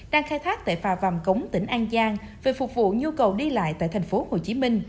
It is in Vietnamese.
đang khai thác tại phà vàm cống tỉnh an giang về phục vụ nhu cầu đi lại tại tp hcm